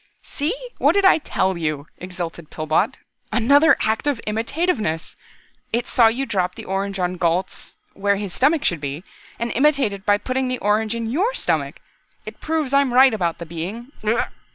"See, what did I tell you," exulted Pillbot. "Another act of imitativeness. It saw you drop the orange on Gault's where his stomach should be, and imitated by putting the orange in your stomach. It proves I'm right about the Being glug!"